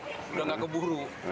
sudah enggak keburu